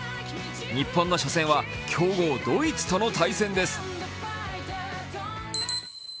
日本の初戦は強豪・ドイツとの対戦です。